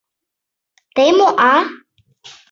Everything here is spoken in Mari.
Тый мо, а?..